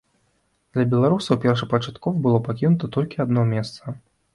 Для беларусаў першапачаткова было пакінута толькі адно месца.